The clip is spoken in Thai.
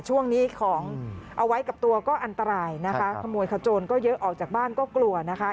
ช่วงนี้ของเอาไว้กับตัวก็อันตรายนะคะขโมยขโจรก็เยอะออกจากบ้านก็กลัวนะคะ